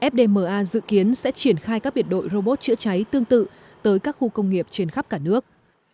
fdma dự kiến sẽ triển khai các biệt đội robot chữa cháy tương tự tới các khu công nghiệp trên khắp cả nước